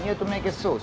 kamu harus membuat susu